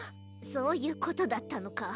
そういうことだったのか。